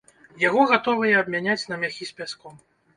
Яго гатовыя абмяняць на мяхі з пяском.